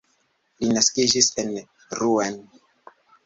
Li naskiĝis en Rouen.